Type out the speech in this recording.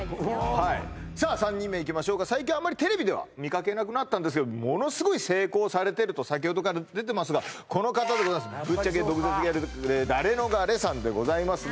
はい３人目いきましょうか最近あまりテレビでは見かけなくなったんですけどものすごい成功されてるとさきほどから出てますがこの方でございますダレノガレさん